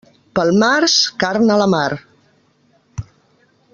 Pel març, carn a la mar.